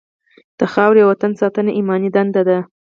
د خاورې او وطن ساتنه ایماني دنده ده.